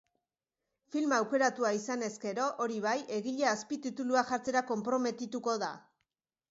Filma aukeratua izanez gero, hori bai, egilea azpitituluak jartzera konprometituko da.